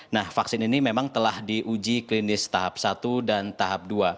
nah vaksin ini memang telah diuji klinis tahap satu dan tahap dua